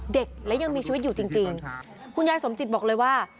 เด็กและยังมีชีวิตอยู่จริงคุณยายสมจิตบอกเลยว่า